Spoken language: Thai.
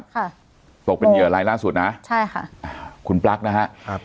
ค่ะตกเป็นเหยื่อรายล่าสุดนะใช่ค่ะอ่าคุณปลั๊กนะฮะครับ